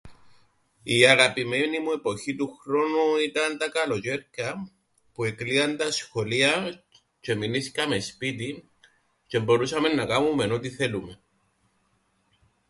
Η αγαπημένη μου εποχή του χρόνου ήταν τα καλοτζ̆αίρκα που εκλείαν τα σχολεία τζ̆αι εμεινίσκαμεν σπίτιν τζ̆αι εμπορούσαμεν να κάμουμεν ό,τι θέλουμεν.